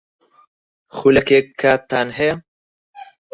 خولەکێک کاتتان ھەیە؟